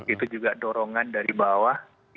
itu juga dorongan dari bawah